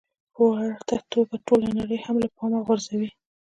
په ورته توګه ټوله نړۍ هم له پامه غورځوي.